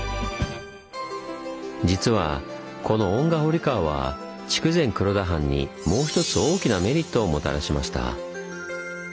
実はこの遠賀堀川は筑前黒田藩にもうひとつ大きなメリットをもたらしました。